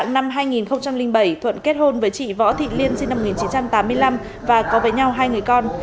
năm hai nghìn bảy thuận kết hôn với chị võ thị liên sinh năm một nghìn chín trăm tám mươi năm và có với nhau hai người con